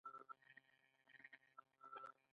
ایا مصنوعي ځیرکتیا د فکري هڅې اړتیا نه راکموي؟